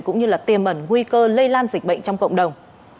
cũng như tiềm ẩn nguy cơ lây lan dịch bệnh trong cộng đồng